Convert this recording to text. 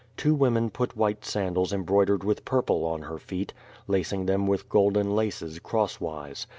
Two women put white san dals embroidered with purple on her feet, lacing them witli golden laces crosswise.